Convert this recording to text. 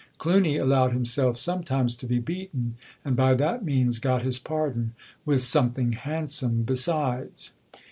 Cluny allowed himself sometimes to be beaten; and by that means got his pardon, with something handsome besides."